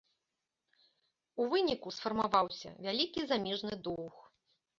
У выніку сфармаваўся вялікі замежны доўг.